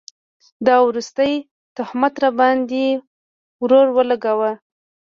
دا وروستی تهمت راباند ې ورور اولګوو